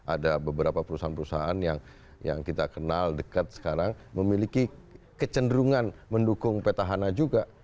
ada beberapa perusahaan perusahaan yang kita kenal dekat sekarang memiliki kecenderungan mendukung petahana juga